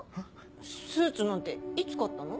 スーツなんていつ買ったの？